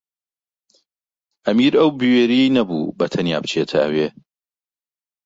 ئەمیر ئەو بوێرییەی نەبوو بەتەنیا بچێتە ئەوێ.